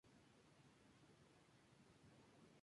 Vuelve al frente, donde muere heroicamente.